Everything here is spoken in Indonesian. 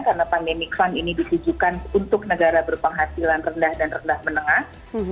karena pandemic fund ini ditujukan untuk negara berpenghasilan rendah dan rendah menengah